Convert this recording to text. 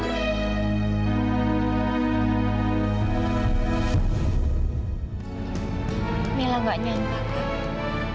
mela tidak menyantak